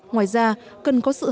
ngoài ra cần có sự hợp lý